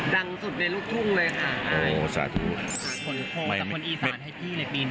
เขาบอกว่าดังสุดในลูกทุ่มเลยไง